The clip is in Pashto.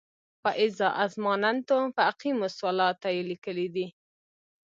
"فاذا اظماننتم فاقیموالصلواته" یې لیکلی دی.